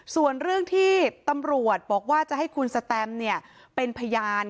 ส่วนเรื่องที่ตำรวจบอกว่าจะให้คุณสแตมเป็นพยาน